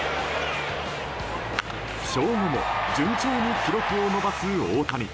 負傷後も順調に記録を伸ばす大谷。